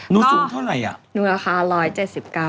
นุ้นสูงเท่าไหร่อ่ะนุ้นค่ะ๑๗๙กิโลเมตร